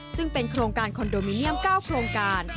ซึ่งเป็นโครงการคอนโดมิเนียม๙โครงการ